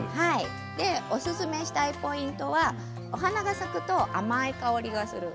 おすすめしたいポイントはお花が咲くと甘い香りがするの。